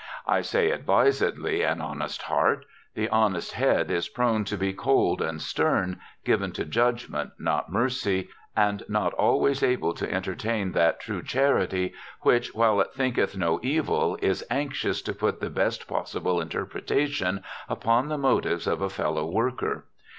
I say advisedly an honest heart the honest head is prone to be cold and stern, given to judgment, not mercy, and not always able to entertain that true charity which, while it thinketh no evil, is anxious to put the best possible interpretation upon the motives of a fellow worker.